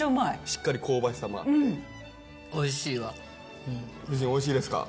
しっかり香ばしさもあって夫人おいしいですか？